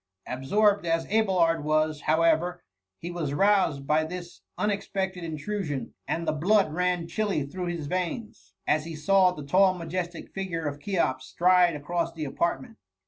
Absorbed as Abelard was, however, he was roused by this unexpected intrusion, and the blood ran chilly through his veins, as he saw the tall majestic figure of Cheops stride across the apartment.